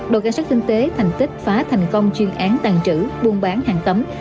đội can sát kinh tế thành tích phá thành công chuyên án tàn trữ buôn bán hàng tấm